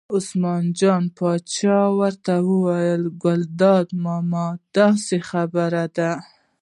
عثمان جان پاچا ورته وویل: ګلداد ماما داسې خبره ده.